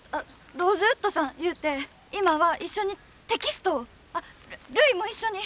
ローズウッドさんいうて今は一緒にテキストをあっるいも一緒に！